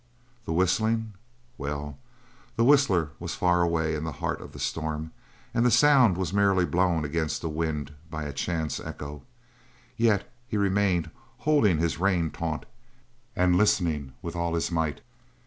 The whistling? Well, the whistler was far away in the heart of the storm, and the sound was merely blown against the wind by a chance echo. Yet he remained holding his rein taut, and listening with all his might.